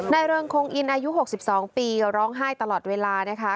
เริงคงอินอายุ๖๒ปีร้องไห้ตลอดเวลานะคะ